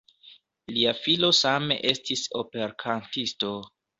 Lia filo same estis operkantisto.